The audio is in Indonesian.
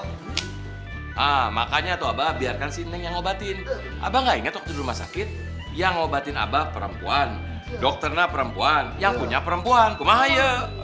nah makanya tuh abah biarkan si neng yang ngobatin abah gak inget waktu di rumah sakit yang ngobatin abah perempuan dokternya perempuan yang punya perempuan pemahaya